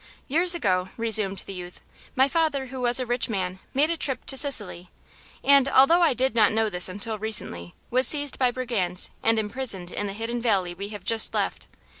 "Years ago," resumed the youth, "my father, who was a rich man, made a trip to Sicily and, although I did not know this until recently, was seized by brigands and imprisoned in the hidden valley we have just left.